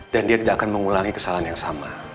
dia tidak akan mengulangi kesalahan yang sama